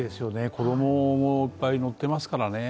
子供もいっぱい乗ってますからね。